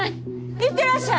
行ってらっしゃい！